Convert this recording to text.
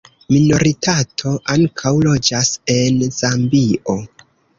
Minoritato ankaŭ loĝas en Zambio.